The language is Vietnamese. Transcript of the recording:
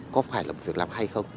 có phải là một việc làm hay không